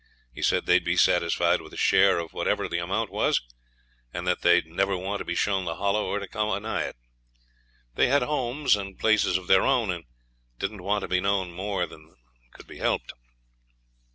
He said they'd be satisfied with a share of whatever the amount was, and that they'd never want to be shown the Hollow or to come anigh it. They had homes and places of their own, and didn't want to be known more than could be helped.